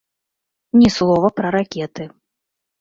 Ні слова пра ракеты.